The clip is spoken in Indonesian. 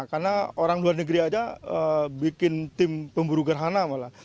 karena orang luar negeri saja bikin tim pemburu gerhana malah